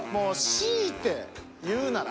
強いて言うなら。